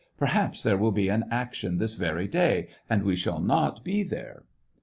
Perhaps there will be an action this very day, and we shall not be there."